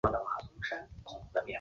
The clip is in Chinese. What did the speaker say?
叉苔蛛为皿蛛科苔蛛属的动物。